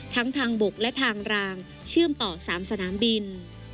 ทั้งทางบกและทางรางเชื่อมต่อ๓สนามบิน